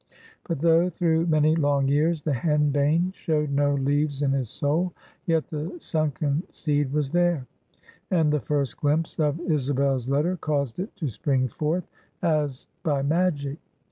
But though through many long years the henbane showed no leaves in his soul; yet the sunken seed was there: and the first glimpse of Isabel's letter caused it to spring forth, as by magic.